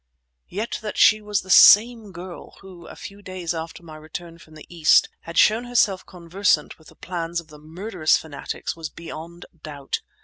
Yet that she was the same girl who, a few days after my return from the East, had shown herself conversant with the plans of the murderous fanatics was beyond doubt.